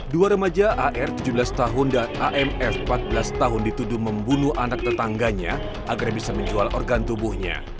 dua remaja ar tujuh belas tahun dan amf empat belas tahun dituduh membunuh anak tetangganya agar bisa menjual organ tubuhnya